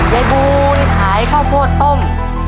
ยายบูลขายข้าวโพดต้ม